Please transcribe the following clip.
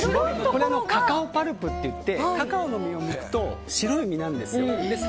これのカカオパルプといってカカオをむくと白い実なんですよ。